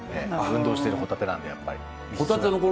運動してるホタテなんでやっぱり。